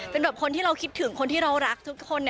เป็นคนที่เราคิดถึงเรารักทุกคน